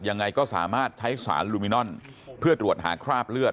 ยังไงก็สามารถใช้สารลูมินอนเพื่อตรวจหาคราบเลือด